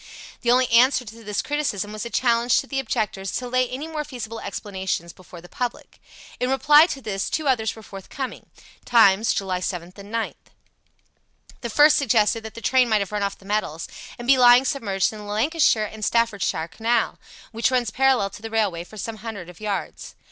The only answer to this criticism was a challenge to the objectors to lay any more feasible explanations before the public. In reply to this two others were forthcoming (Times, July 7th and 9th). The first suggested that the train might have run off the metals and be lying submerged in the Lancashire and Staffordshire Canal, which runs parallel to the railway for some hundred of yards.